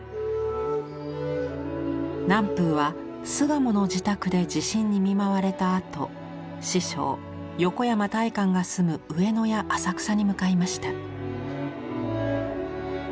南風は巣鴨の自宅で地震に見舞われた後師匠横山大観が住む上野や浅草に向かいました。